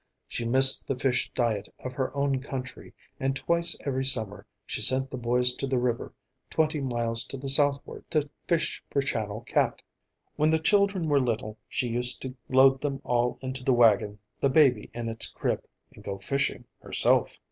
She missed the fish diet of her own country, and twice every summer she sent the boys to the river, twenty miles to the southward, to fish for channel cat. When the children were little she used to load them all into the wagon, the baby in its crib, and go fishing herself.